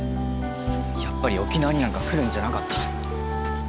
やっぱり沖縄になんか来るんじゃなかった。